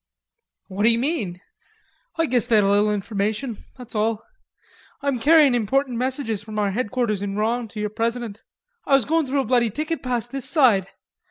"What d'you mean?" "Oi guess they had a little information... that's all. Oi'm carryin' important messages from our headquarters in Rouen to your president. Oi was goin' through a bloody thicket past this side.